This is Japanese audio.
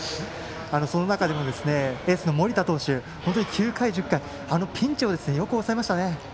その中でもエースの盛田投手９回、１０回のピンチをよく抑えましたね。